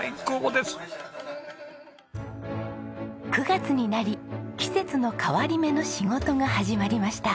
９月になり季節の変わり目の仕事が始まりました。